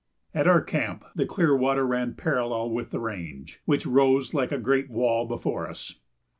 At our camp the Clearwater ran parallel with the range, which rose like a great wall before us.